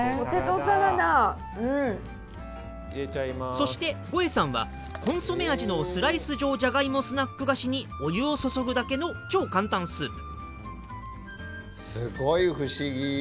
そしてゴエさんはコンソメ味のスライス状じゃがいもスナック菓子にお湯を注ぐだけの超簡単スープ！